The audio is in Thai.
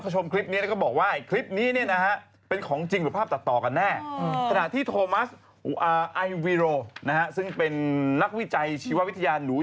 สถานที่โทมัสไอวิโร่ซึ่งเป็นนักวิจัยชีววิทยาหนู